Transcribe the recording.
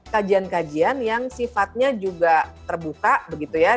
kajian kajian yang sifatnya juga terbuka begitu ya